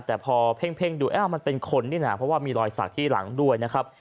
แต่พอเพ่งดูอ้าวมันเป็นคนนี่นะเพราะว่ามีรอยสักที่หลังด้วยนะครับ